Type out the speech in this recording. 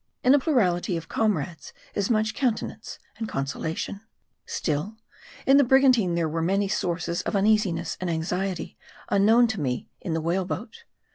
In a plurality of comrades is much countenance and consolation. Still, in the brigantine there were many sources of un easiness and anxiety unknown to me in the whale boat.